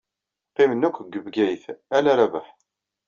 Qqimen akk deg Bgayet ala Rabaḥ.